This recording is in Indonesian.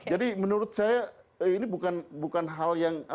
jadi menurut saya ini bukan hal yang